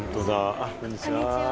こんにちは。